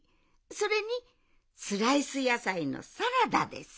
それにスライスやさいのサラダです。